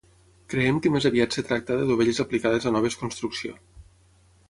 Creiem que més aviat es tracta de dovelles aplicades a noves construcció.